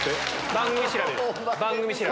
番組調べ。